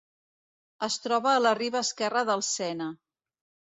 Es troba a la riba esquerra del Sena.